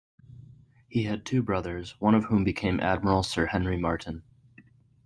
He had two brothers, one of whom became Admiral Sir Henry Martin.